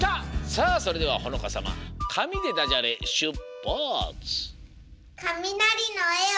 さあそれではほのかさま「かみ」でダジャレしゅっぱつ！